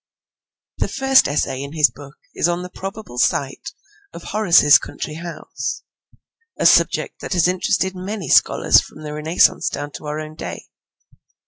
The first essay in his book is on the probable site of Horace's country house, a subject that has interested many scholars from the Renaissance down to our own day.